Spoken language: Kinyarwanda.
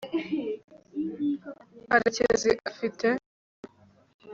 karekezi afite